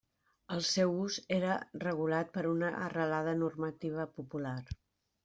El seu ús era regulat per una arrelada normativa popular.